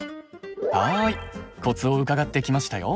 はいコツを伺ってきましたよ。